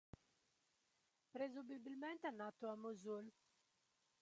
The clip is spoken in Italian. Presumibilmente è nato a Mosul.